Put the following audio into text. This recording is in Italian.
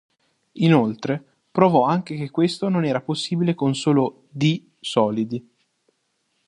Inoltre, provò anche che questo non era possibile con solo "d" solidi.